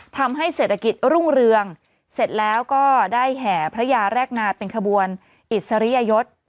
ทำให้เศรษฐกิจรุ่งเรืองเสร็จแล้วก็ได้แห่พระยาแรกนาเป็นขบวนอิสริยยศ